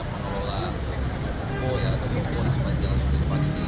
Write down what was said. pengelola kepo yang ada di jalan subir depan ini